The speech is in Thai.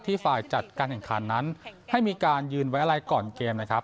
ฝ่ายจัดการแข่งขันนั้นให้มีการยืนไว้อะไรก่อนเกมนะครับ